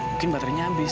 mungkin baterenya habis